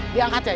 diangkat ya yad